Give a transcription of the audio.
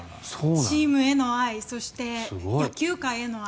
チームへの愛そして、野球界への愛